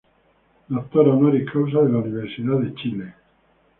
Doctor Honoris Causa de la Universidad de Chile.